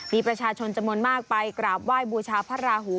มีประชาชนจมนต์มากไปกราบว่ายบูชาพระราหู